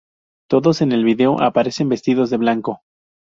Todos en el vídeo aparecen vestidos de blanco.